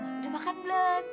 udah makan belum